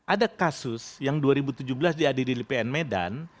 ada kasus yang dua ribu tujuh belas diadili di pn medan